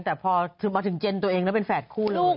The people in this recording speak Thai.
แต่พอมาถึงเจนตัวเองแล้วเป็นแฝดคู่เลย